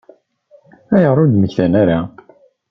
Ayɣer ur d-mmektan ara?